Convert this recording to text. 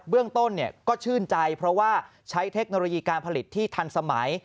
เรื่องต้นก็ชื่นใจเพราะว่าใช้เทคโนโลยีการผลิตที่ทันสมัย